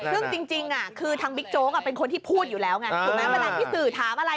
ซึ่งจริงอ่ะคือทางบิ๊กโจ้งเป็นคนที่พูดอยู่แล้วไง